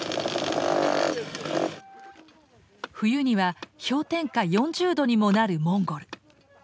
冬には氷点下４０度にもなるモンゴル。